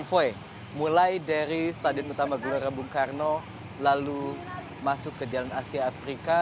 konvoy mulai dari stadion utama gelora bungkarno lalu masuk ke jalan asia afrika